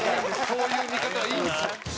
そういう見方はいいですよ。